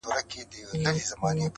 • آوازونه د بلبلو هر گلبوټی ترانه ده -